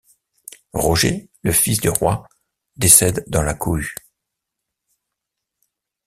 Roger, le fils du roi, décède dans la cohue.